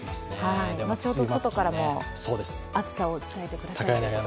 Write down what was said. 後ほど外からも暑さをお伝えください。